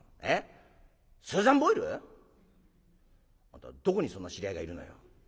あんたどこにそんな知り合いがいるのよ！」。